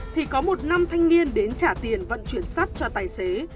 thì có một nam thanh niên đến trả tiền vận chuyển sắt cho tài xế